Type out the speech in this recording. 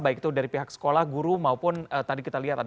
baik itu dari pihak sekolah guru maupun tadi kita lihat ada